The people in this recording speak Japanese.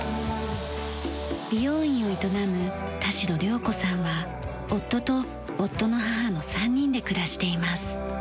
美容院を営む田代稜子さんは夫と夫の母の３人で暮らしています。